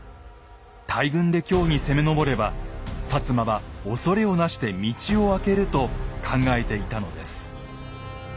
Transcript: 大軍で京に攻め上れば摩は恐れをなして道を空けると考えていたのです。